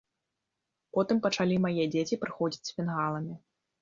Потым пачалі мае дзеці прыходзіць з фінгаламі.